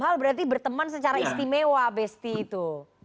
hal berarti berteman secara istimewa besti itu